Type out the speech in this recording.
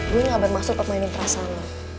gue gak bermaksud bermainin perasaan lo